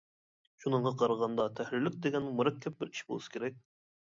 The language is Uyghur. شۇنىڭغا قارىغاندا تەھرىرلىك دېگەنمۇ مۇرەككەپ بىر ئىش بولسا كېرەك.